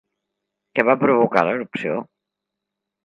Què va provocar l'erupció?